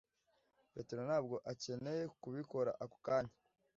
Petero ntabwo akeneye kubikora ako kanya.